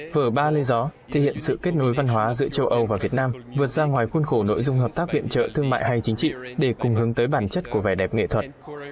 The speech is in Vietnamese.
vở ba lê gió thể hiện sự kết nối văn hóa giữa châu âu và việt nam vượt ra ngoài khuôn khổ nội dung hợp tác viện trợ thương mại hay chính trị để cùng hướng tới bản chất của vẻ đẹp nghệ thuật